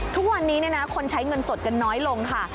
ทุกวันนี้คนใช้เงินสดกันน้อยลงค่ะ